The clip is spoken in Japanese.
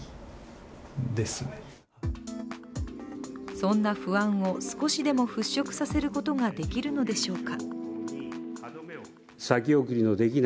そんな不安を少しでもふっしょくさせることができるのでしょうか。